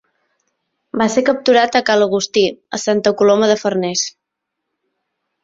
Va ser capturat a ca l'Agustí, a Santa Coloma de Farners.